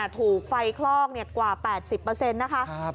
ถูกไฟคลอกกว่า๘๐เปอร์เซ็นต์นะคะ